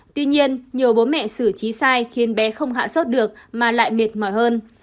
tuy nhiên nhiều bố mẹ xử trí sai khiến bé không hạ sốt được mà lại mệt mỏi hơn